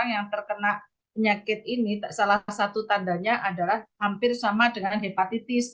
yang terkena penyakit ini salah satu tandanya adalah hampir sama dengan hepatitis